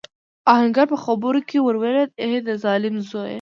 آهنګر په خبره کې ور ولوېد: اې د ظالم زويه!